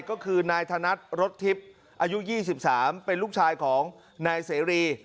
ก็คือนายธนัดรถทิพย์อายุ๒๓เป็นลูกชายของนายเสรี